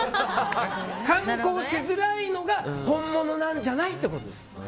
観光しづらいのが本物なんじゃない？ってことです。